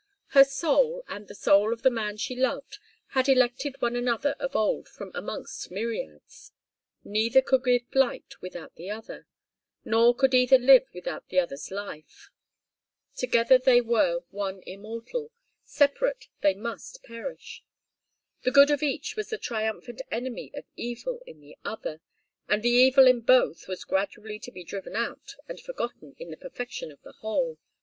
Her soul, and the soul of the man she loved had elected one another of old from amongst myriads; neither could give light without the other, nor could either live without the other's life. Together they were one immortal; separate they must perish. The good of each was the triumphant enemy of evil in the other, and the evil in both was gradually to be driven out and forgotten in the perfection of the whole.